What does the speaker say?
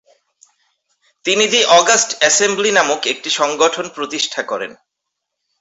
তিনি ‘‘the August Assembly’’ নামক একটি সংগঠন প্রতিষ্ঠা করেন।